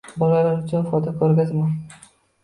Bolalar uchun fotoko‘rgazma